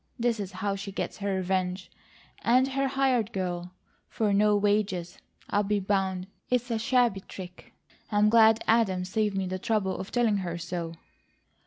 This is how she gets her revenge, and her hired girl, for no wages, I'll be bound! It's a shabby trick. I'm glad Adam saved me the trouble of telling her so."